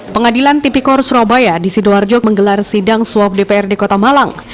pengadilan tipikor surabaya di sidoarjo menggelar sidang suap dprd kota malang